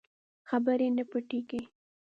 خبرې نه پټېږي.